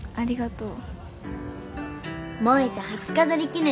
ありがとう。